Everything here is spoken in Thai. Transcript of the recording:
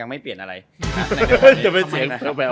ไม่เช่นแบบนี้